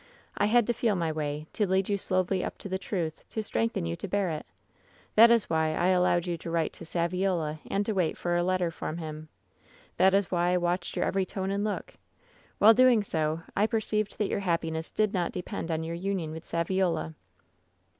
I had to feel my way; to lead you slowly up to the truth; to strengthen you to bear it That is why I allowed you to write to Saviola and to wait for a letter from him. That is why I watched your every tone and look. While doing so I perceived diat your happiness did not de pend on your union with Saviola.'